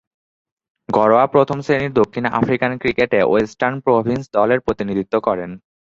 ঘরোয়া প্রথম-শ্রেণীর দক্ষিণ আফ্রিকান ক্রিকেটে ওয়েস্টার্ন প্রভিন্স দলের প্রতিনিধিত্ব করেন।